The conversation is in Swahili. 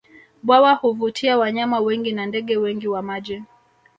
Bwawa huvutia wanyama wengi na ndege wengi wa maji